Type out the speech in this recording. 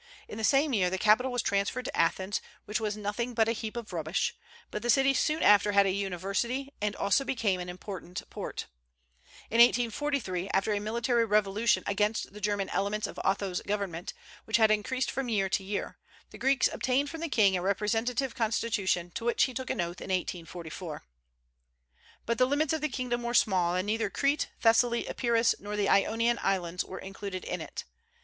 In the same year the capital was transferred to Athens, which was nothing but a heap of rubbish; but the city soon after had a university, and also became an important port. In 1843, after a military revolution against the German elements of Otho's government, which had increased from year to year, the Greeks obtained from the king a representative constitution, to which he took an oath in 1844. But the limits of the kingdom were small, and neither Crete, Thessaly, Epirus, nor the Ionian Islands were included in it.